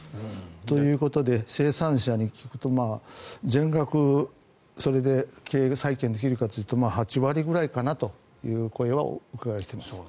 ということで、生産者に聞くと全額、それで経営再建できるかというとまあ８割ぐらいかなという声はお伺いしてます。